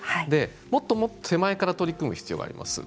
もっともっと手前から取り組む必要があります。